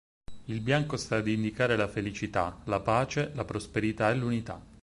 Il bianco sta ad indicare la felicità, la pace, la prosperità e l'unità.